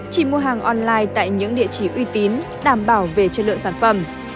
chỉ mua hàng online tại những địa chỉ uy tín đảm bảo về chất lượng sản phẩm